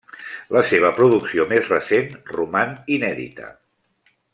La seva producció més recent roman inèdita.